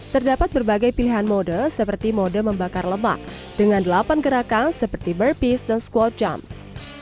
terdapat berbagai pilihan mode seperti mode membakar lemak dengan delapan gerakan seperti birpeece dan squad jumps